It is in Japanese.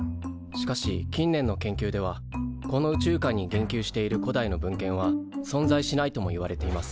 しかし近年の研究ではこの宇宙観に言及している古代の文献は存在しないともいわれています。